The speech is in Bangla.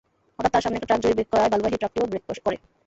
হঠাৎ তার সামনের একটি ট্রাক জোরে ব্রেক করায় বালুবাহী ট্রাকটিও ব্রেক করে।